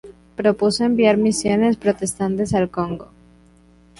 Propuso enviar misioneros protestantes al Congo.